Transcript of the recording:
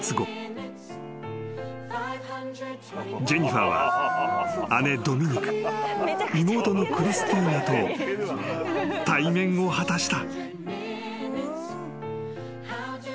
［ジェニファーは姉ドミニク妹のクリスティーナと対面を果たした］